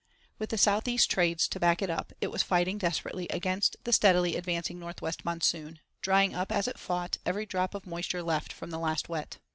With the South east Trades to back it up it was fighting desperately against the steadily advancing North west monsoon, drying up, as it fought, every drop of moisture left from last Wet.